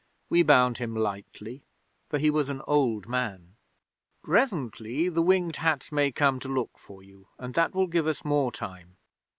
We bound him lightly, for he was an old man. '"Presently the Winged Hats may come to look for you, and that will give us more time.